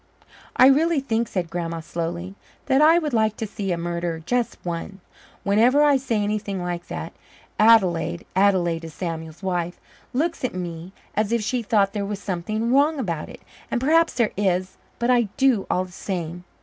"I really think," said Grandma slowly, "that I would like to see a murderer just one. Whenever I say anything like that, Adelaide Adelaide is Samuel's wife looks at me as if she thought there was something wrong about me. And perhaps there is, but I do, all the same.